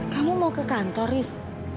kamu mau ke kantor is